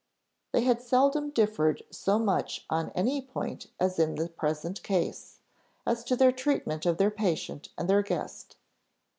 They had seldom differed so much on any point as in the present case, as to their treatment of their patient and their guest.